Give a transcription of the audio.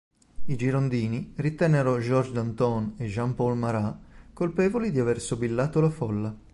I girondini ritennero Georges Danton e Jean-Paul Marat colpevoli di aver sobillato la folla.